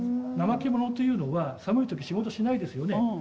怠け者というのは寒いとき仕事しないですよね。